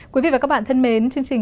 quý vị và các bạn thân mến chương trình